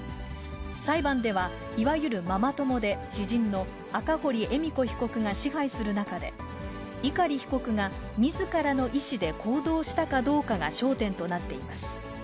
裁判では、いわゆるママ友で知人の赤堀恵美子被告が支配する中で、碇被告がみずからの意思で行動したかどうかが焦点となっています。